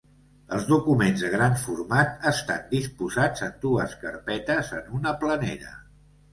Els documents de gran format estan disposats en dues carpetes en una planera.